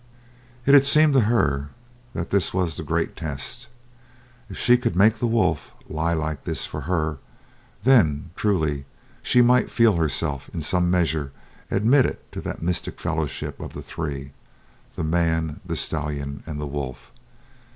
It had seemed to her that this was the great test. If she could make the wolf lie like this for her, then, truly, she might feel herself in some measure admitted to that mystic fellowship of the three the man, the stallion, and the wolf.